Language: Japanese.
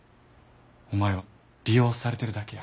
お前は利用されてるだけや。